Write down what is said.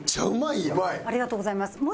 ありがとうございます。